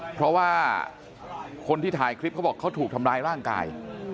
เพราะว่าคนที่ถ่ายคลิปเขาบอกเขาถูกทำร้ายร่างกาย